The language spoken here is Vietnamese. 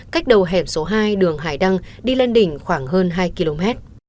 cách đầu hẻm số hai đường hải đăng đi lên đỉnh khoảng hơn hai km